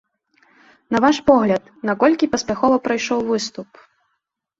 На ваш погляд, наколькі паспяхова прайшоў выступ?